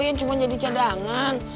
jan cuma jadi cadangan